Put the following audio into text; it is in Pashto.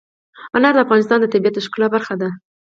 انار د افغانستان د طبیعت د ښکلا برخه ده.